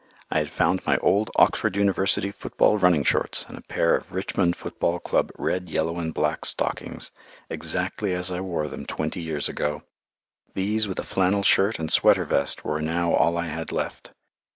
I had found my old Oxford University football running shorts and a pair of Richmond Football Club red, yellow, and black stockings, exactly as I wore them twenty years ago. These with a flannel shirt and sweater vest were now all I had left.